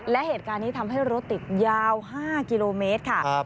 และเหตุการณ์นี้ทำให้รถติดยาว๕กิโลเมตรค่ะ